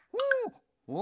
お！